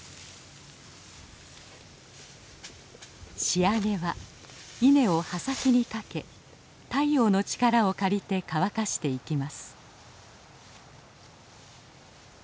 仕上げは稲をはさ木に掛け太陽の力を借りて乾かしていきます。